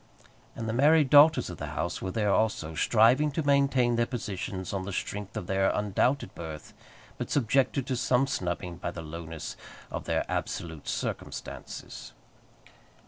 And the married daughters of the house were there also, striving to maintain their positions on the strength of their undoubted birth, but subjected to some snubbing by the lowness of their absolute circumstances.